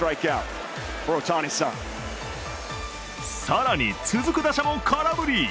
更に、続く打者も空振り。